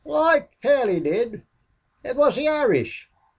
"Loike hell he did! It was the Irish."